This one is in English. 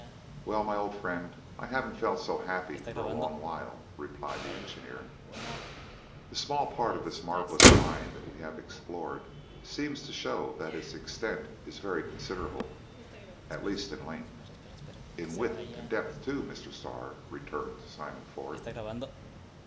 "Well, my old friend, I haven't felt so happy for a long while!" replied the engineer; "the small part of this marvelous mine that we have explored seems to show that its extent is very considerable, at least in length." "In width and in depth, too, Mr. Starr!" returned Simon Ford.